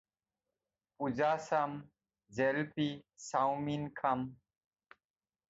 পূজা চাম, জেলেপী, চাওমিন খাম।